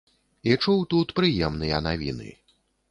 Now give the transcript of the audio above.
І чуў тут прыемныя навіны.